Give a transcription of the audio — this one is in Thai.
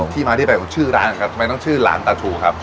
ที่มาที่ไปคุณชื่อร้านกันครับไม่ต้องชื่อหลานตาฉู่ครับ